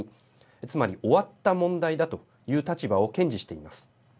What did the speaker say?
つまり、終わった問題だという立場を堅持しています。